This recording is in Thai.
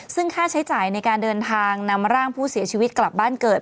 ซึ่งค่าใช้จ่ายในการเดินทางนำร่างผู้เสียชีวิตกลับบ้านเกิด